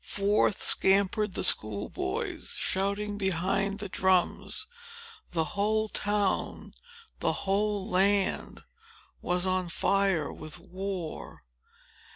Forth scampered the school boys, shouting behind the drums. The whole town—the whole land—was on fire with war.